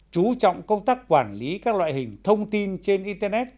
chú trọng công tác quản lý các loại hình thông tin trên y tế